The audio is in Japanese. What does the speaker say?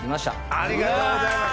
ありがとうございます。